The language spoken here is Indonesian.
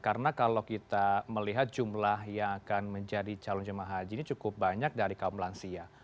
karena kalau kita melihat jumlah yang akan menjadi calon jamaah haji ini cukup banyak dari kaum lansia